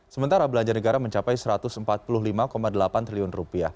sementara belanja negara mencapai rp satu ratus empat puluh lima delapan triliun